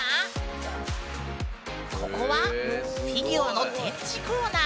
ここはフィギュアの展示コーナー。